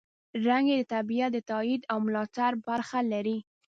رنګ یې د طبیعت د تاييد او ملاتړ برخه لري.